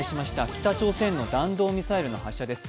北朝鮮の弾道ミサイルの発射です。